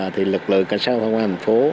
thì lực lượng cảnh sát phòng an thành phố